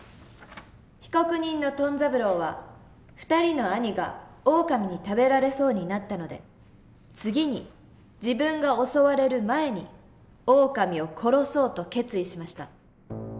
「被告人のトン三郎は２人の兄がオオカミに食べられそうになったので次に自分が襲われる前にオオカミを殺そうと決意しました。